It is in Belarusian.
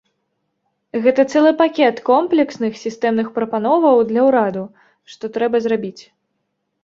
Гэта цэлы пакет комплексных сістэмных прапановаў для ўраду, што трэба зрабіць.